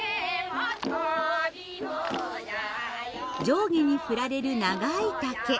上下に振られる長い竹。